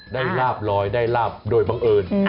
ลาบลอยได้ลาบโดยบังเอิญ